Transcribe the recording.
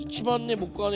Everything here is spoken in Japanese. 僕はね